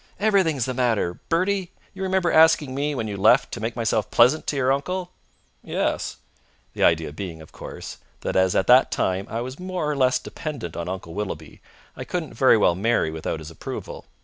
"Everything's the matter! Bertie, you remember asking me, when you left, to make myself pleasant to your uncle?" "Yes." The idea being, of course, that as at that time I was more or less dependent on Uncle Willoughby I couldn't very well marry without his approval.